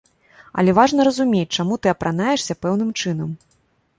Але важна разумець, чаму ты апранаешся пэўным чынам.